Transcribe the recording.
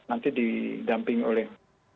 nanti didampingi oleh